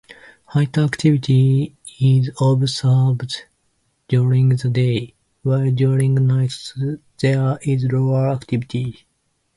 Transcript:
Higher activity is observed during the day, while during night there is lower activity.